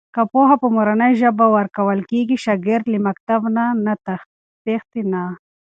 که پوهه په مورنۍ ژبه ورکول کېږي، شاګرد له مکتب نه تښتي نه.